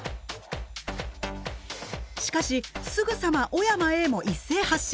しかしすぐさま小山Ａも一斉発射！